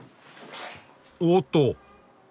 おっと！